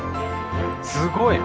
すごい！